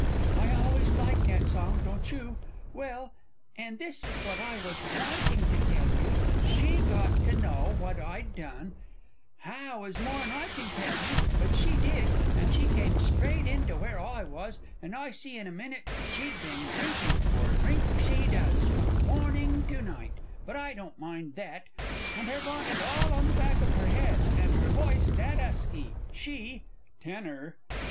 I always like that song, don't you? Well, and this is what I was wanting to tell you, she got to know what I'd done how is more'n I can tell you, but she did, and she come straight in to where I was, and I see in a minute she'd been drinking, for drink she does, from morning to night, but I don't mind that, and her bonnet all on the back of her head, and her voice that 'usky, she (TENOR.